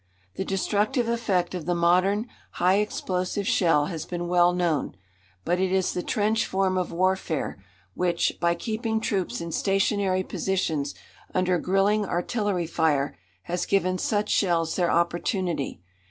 The destructive effect of the modern, high explosive shell has been well known, but it is the trench form of warfare which, by keeping troops in stationary positions, under grilling artillery fire, has given such shells their opportunity.